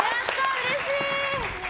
うれしい！